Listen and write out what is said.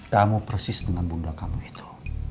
kamu persis dengan bunda kamu itu